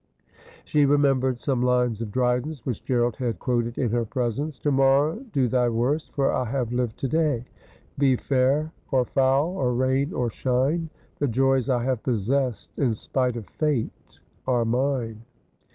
She remembered some lines of Dryden's which Gerald had quoted in her presence :' To morrow do thy worst, for I have lived to daj'. Be fair, or foul, or rain, or shine. The joys I have possessed, in spite of Fate, are mine.'